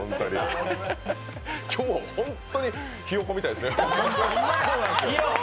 今日ホントにひよこみたいですね。